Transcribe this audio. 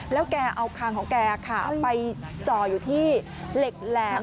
แล้วแกเอาคางของแกค่ะไปจ่ออยู่ที่เหล็กแหลม